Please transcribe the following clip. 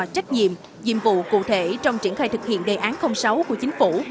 trách nhiệm nhiệm vụ cụ thể trong triển khai thực hiện đề án sáu của chính phủ